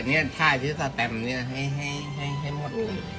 อันนี้จะตามนี้นะให้หมด